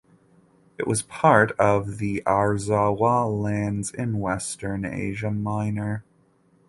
It was part of the Arzawa lands in western Asia Minor.